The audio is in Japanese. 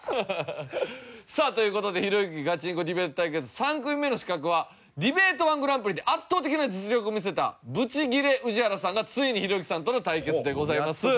さあという事でひろゆきガチンコディベート対決３組目の刺客はディベートー１グランプリで圧倒的な実力を見せたブチギレ氏原さんがついにひろゆきさんとの対決でございます。